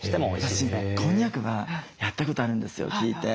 私こんにゃくはやったことあるんですよ聞いて。